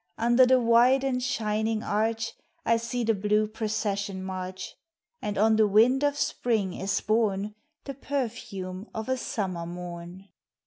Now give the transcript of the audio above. Under the wide and shining arch I see the blue procession march, And on the wind of Spring is borne The perfume of a Summer morn.